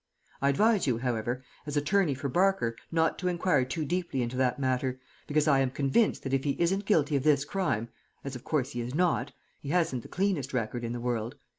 I advise you, however, as attorney for Barker, not to inquire too deeply into that matter, because I am convinced that if he isn't guilty of this crime as of course he is not he hasn't the cleanest record in the world.